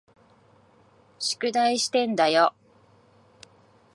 宿題してんだよ。